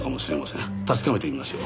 確かめてみましょう。